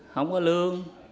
không có lương